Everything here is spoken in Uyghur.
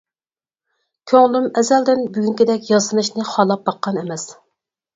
-كۆڭلۈم ئەزەلدىن بۈگۈنكىدەك ياسىنىشنى خالاپ باققان ئەمەس.